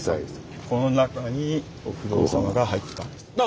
この中にお不動様が入ってたんです。